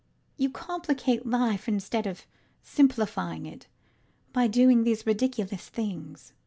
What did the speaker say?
You complicate life instead of simplifying it by doing these ridiculous things.